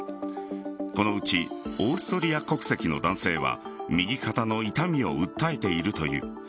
このうちオーストリア国籍の男性は右肩の痛みを訴えているという。